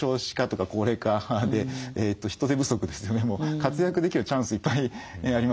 活躍できるチャンスいっぱいあります。